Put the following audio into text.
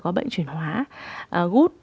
có bệnh chuyển hóa gút